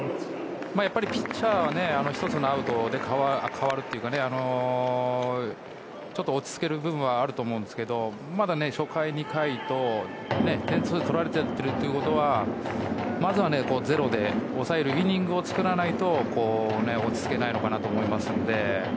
やっぱりピッチャーは１つのアウトで変わるというかちょっと落ち着ける部分があると思いますがまだ初回、２回と点数を取られているってことはまずはゼロで抑えるイニングを作らないと落ち着けないのかなと思いますので。